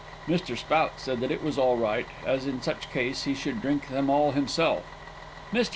Mr. Spout said it was all right, as in such case he should drink them all himself. Mr.